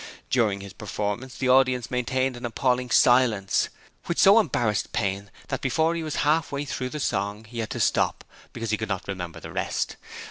During this performance the audience maintained an appalling silence, which so embarrassed Payne that before he was half way through the song he had to stop because he could not remember the rest.